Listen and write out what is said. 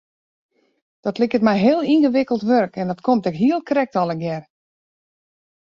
Dat liket my heel yngewikkeld wurk en dat komt ek hiel krekt allegear.